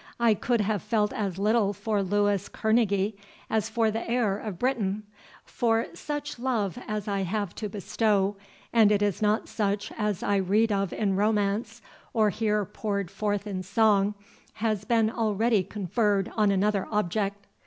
"I could have felt as little for Louis Kerneguy as for the heir of Britain; for such love as I have to bestow, (and it is not such as I read of in romance, or hear poured forth in song,) has been already conferred on another object.